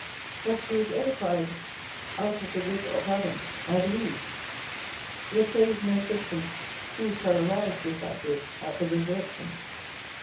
That she was edified out of the rib of Adam, I believe; yet raise no question who shall arise with that rib at the resurrection.